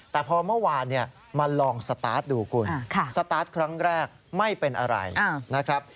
แต่พอเมื่อวานมาลองสตาร์ทดูคุณสตาร์ทครั้งแรกไม่เป็นอะไรนะครับ